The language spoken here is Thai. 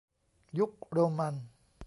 ยุคโรมัน